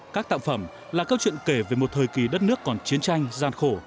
các tạp phẩm là câu chuyện kể về một thời kỳ đất nước còn chiến tranh gian khổ